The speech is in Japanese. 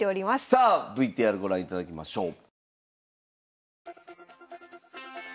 さあＶＴＲご覧いただきましょう。